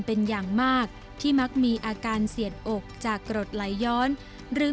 เป็นอย่างมากที่มักมีอาการเสียดอกจากกรดไหลย้อนหรือ